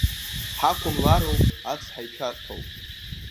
Ҳақәымлароуп ацҳа ишәарҭоу.